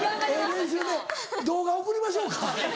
練習で動画送りましょうか？